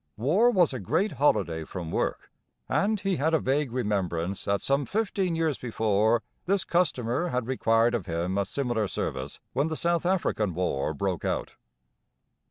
War was a great holiday from work; and he had a vague remembrance that some fifteen years before this customer had required of him a similar service when the South African war broke out.